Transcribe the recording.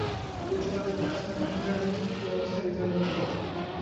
লোকজন তাঁদের জেলা সদর হাসপাতালে নিলে চিকিৎসাধীন অবস্থায় রিতার মৃত্যু হয়।